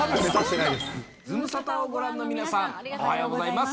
ズムサタをご覧の皆さん、おはようございます。